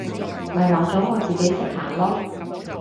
咪話咗我自己識行囉！